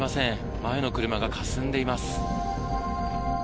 前の車がかすんでいます。